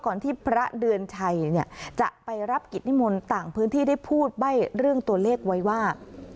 ก่อนที่พระเดือนชัยเนี่ยจะไปรับกิจมนต์ต่างพื้นที่ได้พูดใบ้เรื่องตัวเลขไว้ว่า๐๘๐๗๖๔